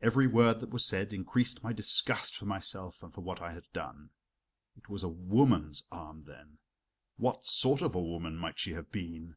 Every word that was said increased my disgust for myself and for what I had done. It was a woman's arm, then what sort of a woman might she have been?